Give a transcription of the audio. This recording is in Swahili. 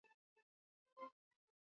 na shirika moja la kijamii la assa